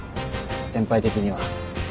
先輩的には。